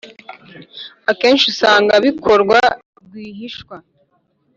akenshi usanga bikorwa rwihishwa